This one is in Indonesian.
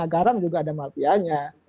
garam juga ada mafianya